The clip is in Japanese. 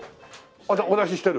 お出ししてる？